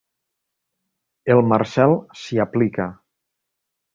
El Marcel s'hi aplica.